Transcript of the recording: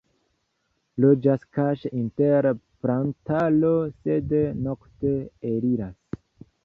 Loĝas kaŝe inter plantaro, sed nokte eliras.